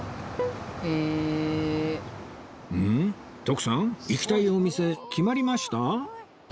徳さん行きたいお店決まりました？